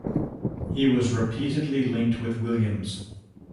He was repeatedly linked with Williams.